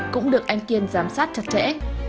cũng được anh kiên giám sát chặt chẽ